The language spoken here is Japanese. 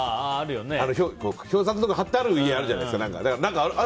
表札とか貼ってある家あるじゃないですか。